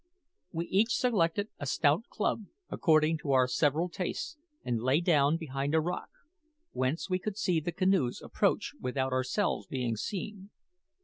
We each selected a stout club according to our several tastes and lay down behind a rock, whence we could see the canoes approach without ourselves being seen.